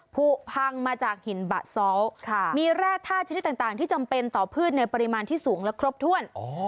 ผูกพังมาจากหินบะซ้อมีแร่ธาตุชนิดต่างที่จำเป็นต่อพืชในปริมาณที่สูงและครบถ้วน